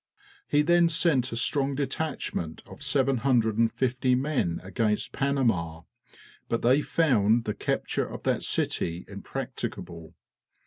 He then sent a strong detachment of 750 men against Panama; but they found the capture of that city impracticable.